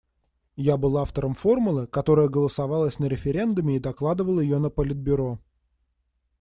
Я был автором формулы, которая голосовалась на референдуме и докладывал её на Политбюро.